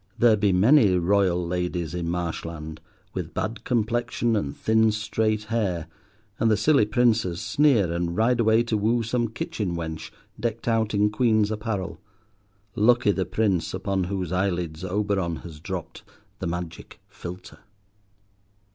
There be many royal ladies in Marshland, with bad complexion and thin straight hair, and the silly princes sneer and ride away to woo some kitchen wench decked out in queen's apparel. Lucky the prince upon whose eyelids Oberon has dropped the magic philtre.